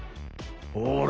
ほら！